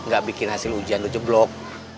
gak bikin hasil ujian lo jeblok